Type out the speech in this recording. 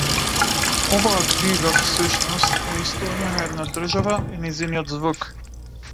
Оваа книга, всушност, е историја на една држава и нејзиниот звук.